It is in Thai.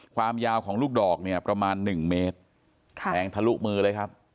ความยาวของลูกดอกเนี่ยประมาณหนึ่งเมตรแทงทะลุมือเลยครับ